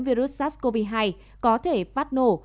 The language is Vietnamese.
virus sars cov hai có thể phát nổ